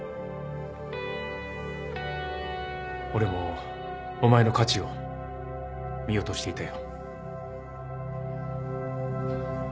俺もお前の価値を見落としていたよ。